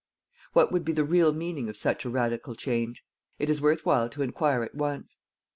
What would be the real meaning of such a radical change? It is worth while to enquire at once.